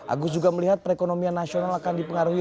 agus juga melihat perekonomian nasional akan dipengaruhi